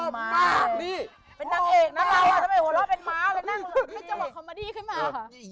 เราอ่ะทำไมหัวเล่าเป็นม้าไปนั่งแน่ใจจังหวัดคอมเมอดีขึ้นมาค่ะ